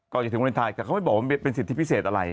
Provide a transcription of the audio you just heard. ก่อนจะถึงวันอินทรายแต่เขาไม่บอกว่ามันเป็นสิทธิ์พิเศษอะไร